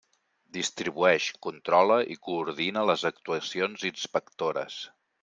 Distribueix, controla i coordina les actuacions inspectores.